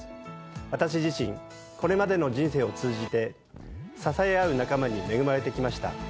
私自身これまでの人生を通じて支え合う仲間に恵まれてきました。